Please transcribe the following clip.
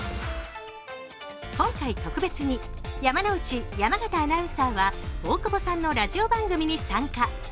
今回、特別に山内・山形アナウンサーは大久保さんのラジオ番組に参加。